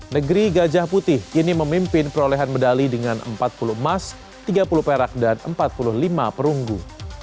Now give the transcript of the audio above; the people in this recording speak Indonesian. negeri gajah putih ini memimpin perolehan medali dengan empat puluh emas tiga puluh perak dan empat puluh lima perunggu